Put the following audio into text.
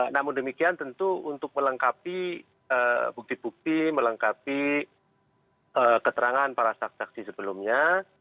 namun demikian tentu untuk melengkapi bukti bukti melengkapi keterangan para saksi saksi sebelumnya